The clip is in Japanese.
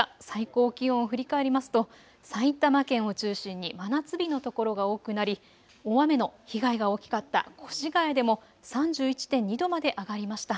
最高気温を振り返りますと埼玉県を中心に真夏日の所が多くなり、大雨の被害が大きかった越谷市でも３１．２度まで上がりました。